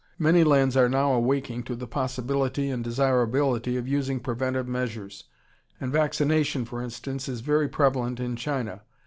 Many lands are now awaking to the possibility and desirability of using preventive measures, and vaccination, for instance, is very prevalent in China.